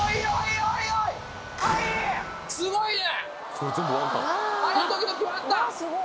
すごいね！